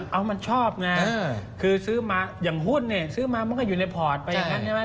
เอามันชอบคือซื้อมาอย่างหุ้นซื้อมามันก็อยู่ในพอร์ตไป